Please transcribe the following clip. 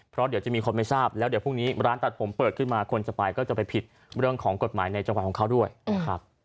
เพราะเดี๋ยวจะมีคนไม่ทราบแล้วเดี๋ยวพรุ่งนี้ร้านตัดผมเปิดขึ้นมาคนจะไปก็จะไปผิดเรื่องของกฎหมายในจังหวัดของเขาด้วยนะครับ